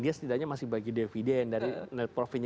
dia setidaknya masih bagi dividen dari net profitnya